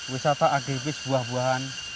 wisata agribis buah buahan